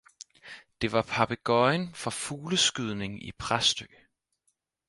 Det var papegøjen fra fugleskydningen i præstø